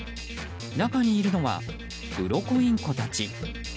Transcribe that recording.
中にいるのはウロコインコたち。